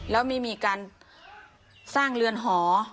แล้วไม่มีการสร้างเรือนหอ